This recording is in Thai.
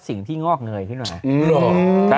สิ่งที่งอกเหนื่อยขึ้นมา